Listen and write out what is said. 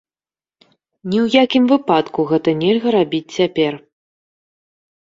Ні ў якім выпадку гэта нельга рабіць цяпер.